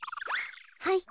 はい。